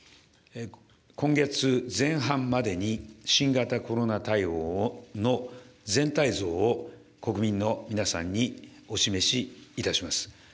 今月前半までに、新型コロナ対応の全体像を、国民の皆さんにお示しいたします。